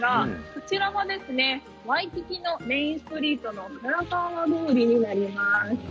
こちらがワイキキのメインストリートのカラカウア通りになります。